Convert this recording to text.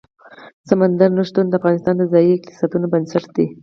سمندر نه شتون د افغانستان د ځایي اقتصادونو بنسټ دی.